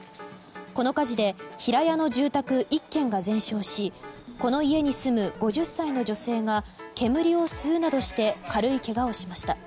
この火事で平屋の住宅１軒が全焼しこの家に住む５０歳の女性が煙を吸うなどして軽いけがをしました。